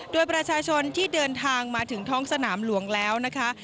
โดยประชาชนที่เดินทางมาถึงท้องสนามหลวงแล้วนะคะ